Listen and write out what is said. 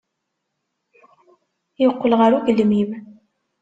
Yeqqel ɣer ugelmim.